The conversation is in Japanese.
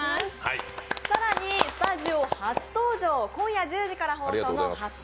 更にスタジオ初登場、今夜１０時から放送の「発表！